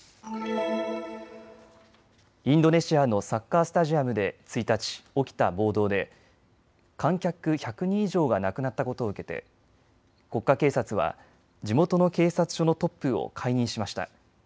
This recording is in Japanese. インドネシアのサッカースタジアムで１日、起きた暴動で、観客１００人以上が亡くなったことを受けて国家警察は地元の警察署のトップを解任しました。